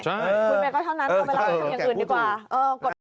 คุณเมย์ก็เท่านั้นเอาเวลาไปทำอย่างอื่นดีกว่า